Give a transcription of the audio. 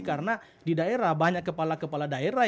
karena di daerah banyak kepala kepala daerah